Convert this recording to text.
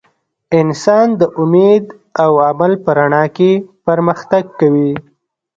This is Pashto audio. انسان د امید او عمل په رڼا کې پرمختګ کوي.